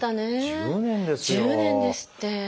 １０年ですって。